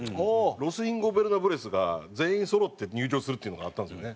ロス・インゴベルナブレスが全員そろって入場するっていうのがあったんですよね。